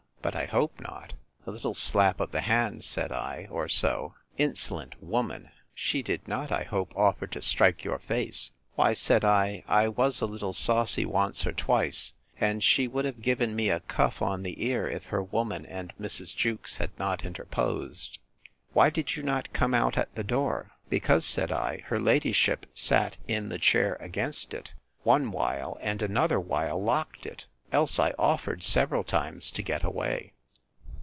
But I hope not! A little slap of the hand, said I, or so.—Insolent woman! She did not, I hope, offer to strike your face? Why, said I, I was a little saucy once or twice; and she would have given me a cuff on the ear, if her woman and Mrs. Jewkes had not interposed. Why did you not come out at the door? Because, said I, her ladyship sat in the chair against it, one while, and another while locked it; else I offered several times to get away.